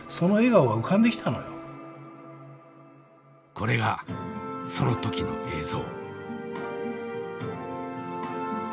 これがその時の映像。